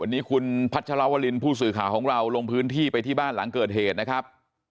วันนี้คุณพัชรวรินผู้สื่อข่าวของเราลงพื้นที่ไปที่บ้านหลังเกิดเหตุนะครับ